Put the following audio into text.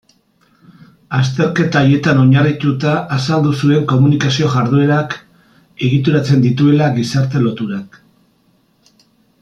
Azterketa haietan oinarrituta azaldu zuen komunikazio-jarduerak egituratzen dituela gizarte-loturak.